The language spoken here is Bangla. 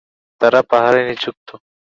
তারা পাহারায় নিযুক্ত।